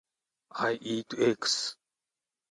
I eat eggs.